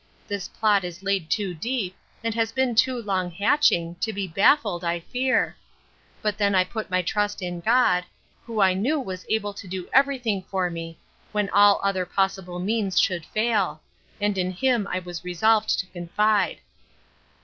This plot is laid too deep, and has been too long hatching, to be baffled, I fear. But then I put my trust in God, who I knew was able to do every thing for me, when all other possible means should fail: and in him I was resolved to confide.